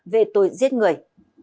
về tội giết người